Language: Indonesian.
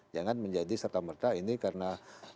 jangan menjadi serta merta ini karena